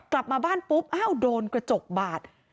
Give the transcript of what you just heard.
กลับมาบ้านกฎโดนกระจกบาด